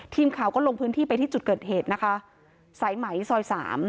ทีมข่าวก็ลงพื้นที่ไปที่จุดเกิดเหตุนะคะสายไหมซอยสาม